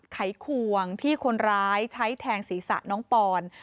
ไขควงที่คนร้ายใช้แทงศีรษะน้องปอน